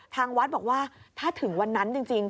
ทางวัดบอกว่าถ้าถึงวันนั้นจริง